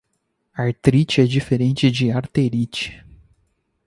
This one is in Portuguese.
Artrite é diferente de Arterite